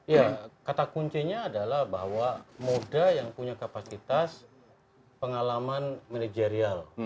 ya kata kuncinya adalah bahwa moda yang punya kapasitas pengalaman manajerial